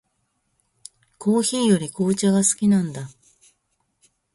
コーヒーより紅茶が好きなんだ。